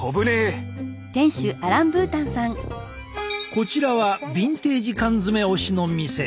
こちらはビンテージ缶詰推しの店！